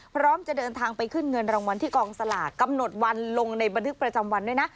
พร้อมจะเดินทางไปขึ้นเงินรางวัลที่กองสลากกำหนดวันลงในบันทึกประจำวันด้วยนะ